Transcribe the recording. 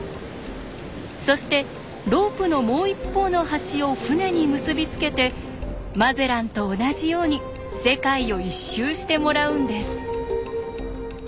そしてロープのもう一方の端を船に結び付けてマゼランと同じように世界を一周してもらうんです。